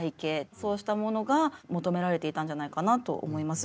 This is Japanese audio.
そうしたものが求められていたんじゃないかなと思います。